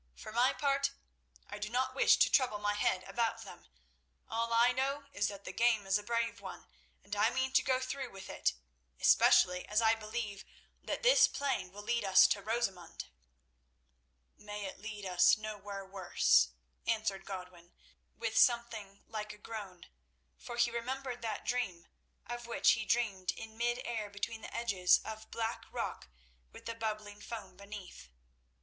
For my part, I do not wish to trouble my head about them. All I know is that the game is a brave one, and I mean to go through with it, especially as I believe that this playing will lead us to Rosamund." "May it lead us nowhere worse," answered Godwin with something like a groan, for he remembered that dream of his which he dreamed in mid air between the edges of black rock with the bubbling foam beneath.